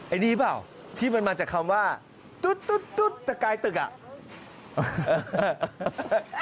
อันนี้รึเปล่าที่มันมาจากคำว่าตุ๊ดตุ๊ดตุ๊ดตะไก่ตึกเนี่ย